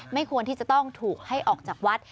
ไม่ควรที่จะต้องถูกให้ออกจากวัด